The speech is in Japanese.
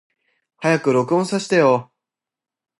早く録音させてよ。